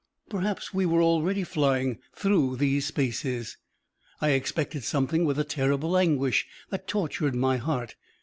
Perhaps we were already flying through those spaces. I expected something with a terrible anguish that tortured my heart.